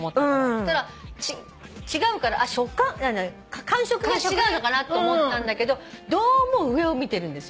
そしたら違うから感触が違うのかなと思ったんだけどどうも上を見てるんですよ。